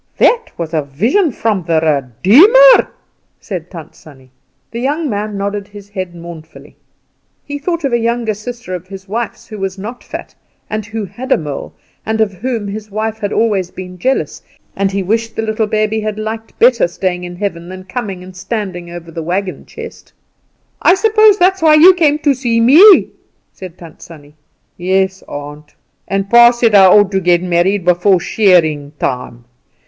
"That was a vision from the Redeemer," said Tant Sannie. The young man nodded his head mournfully. He thought of a younger sister of his wife's who was not fat, and who had a mole, and of whom his wife had always been jealous, and he wished the little baby had liked better staying in heaven than coming and standing over the wagon chest. "I suppose that's why you came to me," said Tant Sannie. "Yes, aunt. And pa said I ought to get married before shearing time.